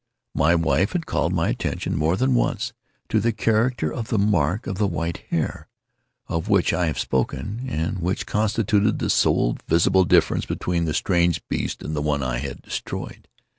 My wife had called my attention, more than once, to the character of the mark of white hair, of which I have spoken, and which constituted the sole visible difference between the strange beast and the one I had destroyed.